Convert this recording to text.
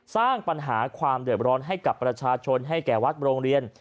สร้างปัญหาความเดือดร้อนให้กับประชาชนให้แก่วัดโรงเรียน